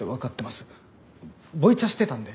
ボイチャしてたんで。